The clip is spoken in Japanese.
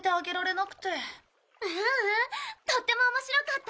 ううんとっても面白かったわ。